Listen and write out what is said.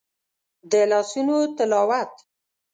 د لاسونو تلاوت